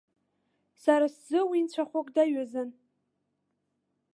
Сара сзы уи нцәахәык даҩызан.